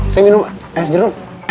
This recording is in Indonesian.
saya minum es jeruk